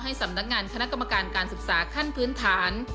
สำนักงานคณะกรรมการการศึกษาขั้นพื้นฐาน